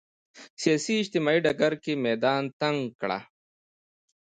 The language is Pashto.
سیاسي اجتماعي ډګر کې میدان تنګ کړ